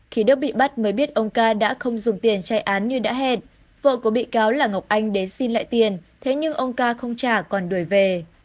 khi đức bị bắt mới biết ông ca đã không dùng tiền chạy án như đã hẹn vợ của bị cáo là ngọc anh đến xin lại tiền thế nhưng ông ca không trả còn đuổi về